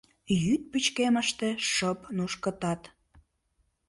Йӱд пычкемыште шып нушкытат...